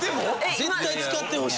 絶対使ってほしい。